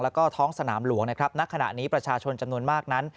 แล้วก็ท้องสนามหลวงนะครับณขณะนี้ประชาชนจำนวนมากนั้น